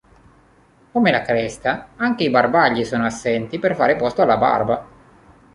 Come la cresta, anche i bargigli sono assenti per fare posto alla barba.